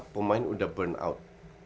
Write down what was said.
dua pemain udah burn out